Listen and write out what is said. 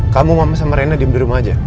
kamu mama sama rena diem di rumah aja